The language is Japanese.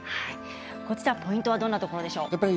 ポイントはどんなところでしょうか？